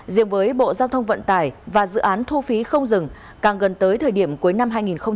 riêng với bộ giao thông vận tải và dự án thu phí không dừng càng gần tới thời điểm cuối năm hai nghìn hai mươi